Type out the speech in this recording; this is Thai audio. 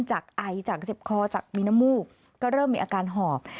จากไอจากเจ็บคอจากมีน้ำมูกก็เริ่มมีอาการหอบ